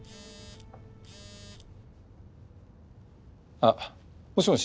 あっもしもし。